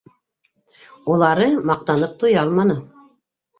Улары маҡтанып туя алманы.